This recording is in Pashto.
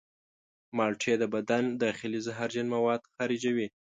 مالټې د بدن داخلي زهرجن مواد خارجوي.